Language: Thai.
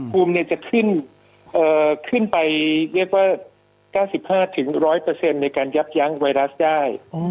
กรุมจะขึ้นไป๙๕๑๐๐ในการยับยั้งไวรัสได้